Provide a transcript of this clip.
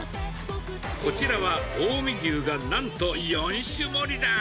こちらは、近江牛がなんと四種盛りだ。